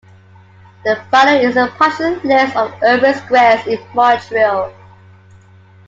The following is an partial list of urban squares in Montreal.